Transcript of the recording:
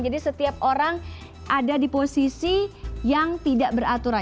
jadi setiap orang ada di posisi yang tidak beraturan